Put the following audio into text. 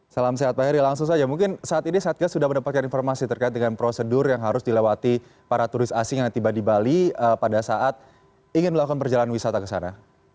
salam sehat pak heri langsung saja mungkin saat ini satgas sudah mendapatkan informasi terkait dengan prosedur yang harus dilewati para turis asing yang tiba di bali pada saat ingin melakukan perjalanan wisata ke sana